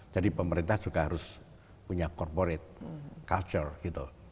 jadi pemerintah juga harus punya corporate culture gitu